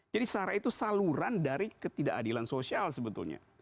jadi sarah itu saluran dari ketidakadilan sosial sebetulnya